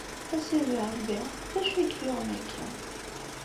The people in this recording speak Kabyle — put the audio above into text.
A Sidi Ṛebbi, d acu ay k-yuɣen akka?